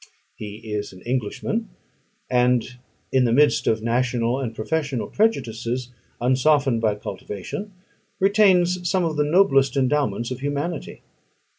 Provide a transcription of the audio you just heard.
He is an Englishman, and in the midst of national and professional prejudices, unsoftened by cultivation, retains some of the noblest endowments of humanity.